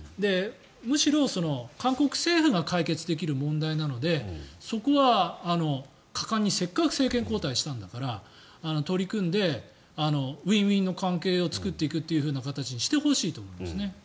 むしろ、韓国政府が解決できる問題なのでそこは果敢にせっかく政権交代したんだから取り組んでウィンウィンの関係を作っていくという形にしてほしいと思いますね。